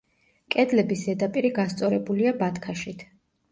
კედლების ზედაპირი გასწორებულია ბათქაშით.